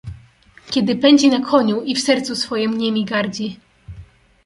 "kiedy pędzi na koniu i w sercu swojem niemi gardzi!"